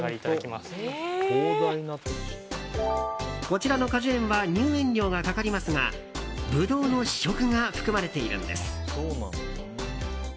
こちらの果樹園は入園料がかかりますがブドウの試食が含まれているんです。